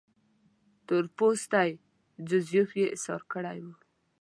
تور پوستی جوزیف یې ایسار کړی وو.